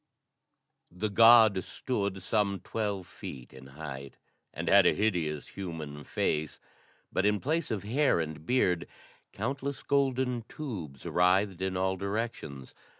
The god stood some twelve feet in height and had a hideous human face, but, in place of hair and beard, countless golden tubes writhed in all directions.